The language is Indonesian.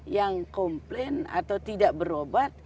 yang komplain atau tidak berobat